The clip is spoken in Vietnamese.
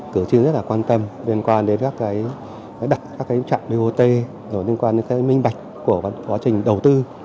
cửa chương rất là quan tâm liên quan đến các trạm bot liên quan đến các minh bạch của quá trình đầu tư